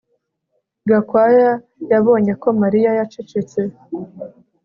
Gakwaya yabonye ko Mariya yacecetse